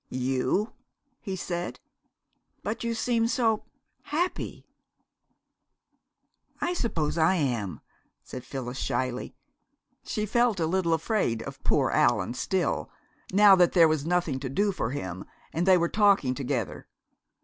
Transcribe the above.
"You?" he said. "But you seem so happy!" "I suppose I am," said Phyllis shyly. She felt a little afraid of "poor Allan" still, now that there was nothing to do for him, and they were talking together.